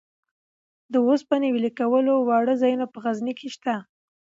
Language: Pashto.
د اوسپنې ویلې کولو واړه ځایونه په غزني کې شته.